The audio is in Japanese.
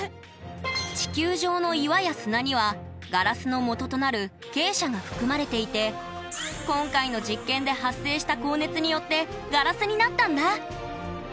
地球上の岩や砂にはガラスのもととなるけい砂が含まれていて今回の実験で発生した高熱によってガラスになったんだ。